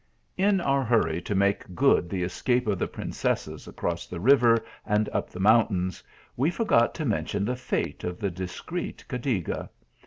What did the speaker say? In our hurry to make good the escape of the princesses across the river and up the mountains, we forgot to mention the fate of the discreet Cadiga.